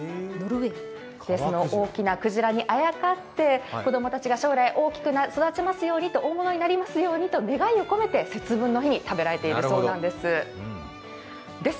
その大きなくじらにあやかって、子供たちが将来、大物になりますようにと願いを込めて節分の日に食べられているそうです。